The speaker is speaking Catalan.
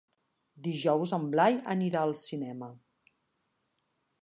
Dijous en Blai anirà al cinema.